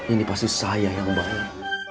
ini pasti saya yang baik